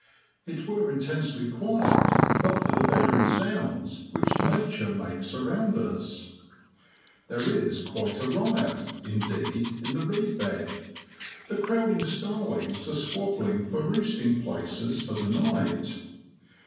It were intensely quiet but for the varied sounds which Nature makes around us. There is quite a riot, indeed, in the reed bed; the crowding starlings are squab bling for roosting places for the night.